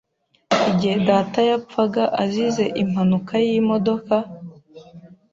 igihe data yapfaga azize impanuka y’imodoka,